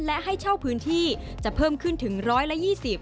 และให้เช่าพื้นที่จะเพิ่มขึ้นถึง๑๒๐